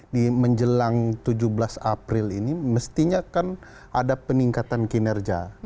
di menjelang tujuh belas april ini mestinya kan ada peningkatan kinerja